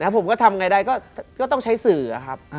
ผมก็ทำไงได้ก็ต้องใช้สื่อครับ